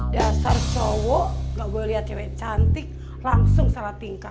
dasar cowok gak boleh liat cewek cantik langsung salah tingkah